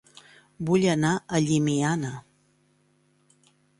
Vull anar a Llimiana